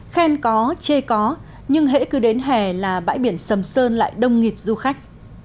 khen có chê có nhưng hãy cứ đến hè là bãi biển sầm sơn lại đông nghịt du khách